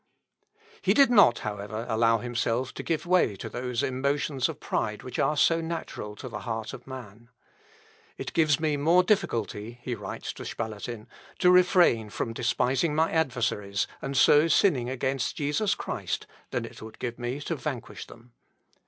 He did not, however, allow himself to give way to those emotions of pride which are so natural to the heart of man. "It gives me more difficulty," he writes to Spalatin, "to refrain from despising my adversaries, and so sinning against Jesus Christ, than it would give me to vanquish them.